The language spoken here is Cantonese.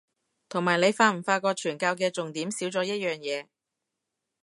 同埋你發唔發覺傳教嘅重點少咗一樣嘢